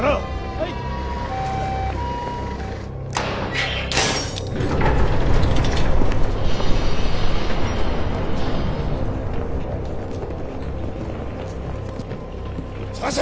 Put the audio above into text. ・はい捜せ！